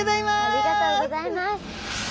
ありがとうございます。